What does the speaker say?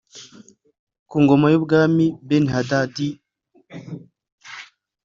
Ku ngoma y’umwami Benihadadi